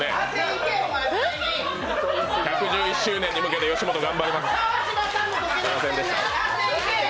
１１１周年に向けて吉本、頑張ります。